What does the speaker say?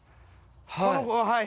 この子はい